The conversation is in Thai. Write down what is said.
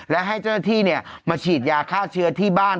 และให้เจ้าหน้าที่มาฉีดยาฆ่าเชื้อที่บ้าน